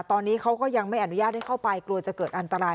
ตอนนี้เขาก็ยังไม่อนุญาตให้เข้าไปกลัวจะเกิดอันตราย